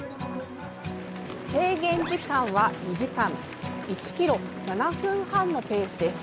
制限時間は２時間１ｋｍ７分半のペースです。